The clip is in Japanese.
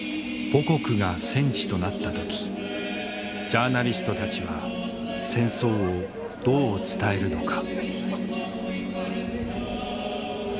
母国が戦地となった時ジャーナリストたちは戦争をどう伝えるのか。